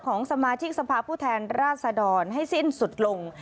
ของสมาชิกสภาพผู้แทนราชดรให้สิ้นสุดลง